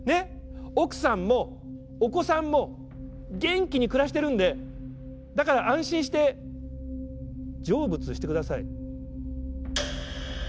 奥さんもお子さんも元気に暮らしてるんでだから安心して成仏してください」。